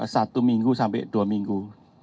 satu minggu sampai dua minggu